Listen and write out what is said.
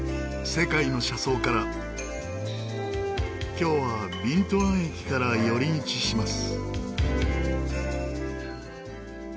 今日はビントゥアン駅から寄り道します。